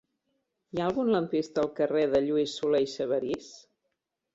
Hi ha algun lampista al carrer de Lluís Solé i Sabarís?